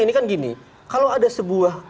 ini kan gini kalau ada sebuah